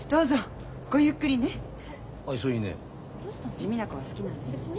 地味な子は好きなんです。